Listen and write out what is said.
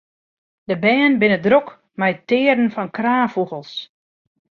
De bern binne drok mei it tearen fan kraanfûgels.